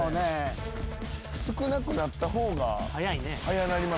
少なくなった方が速なりますね。